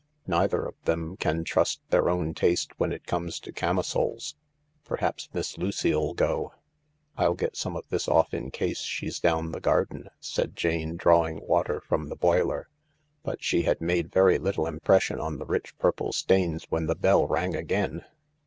Neither of them can trust their own taste when it comes to camisoles. Perhaps Miss Lucy'll go." " I'll get some of this off in case she's down the garden," said Jane, drawing water from the boiler, but she had made very little impression on the rich purple stains when the bell rang again.